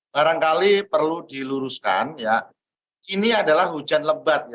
barangkali perlu diluruskan ya ini adalah hujan lebat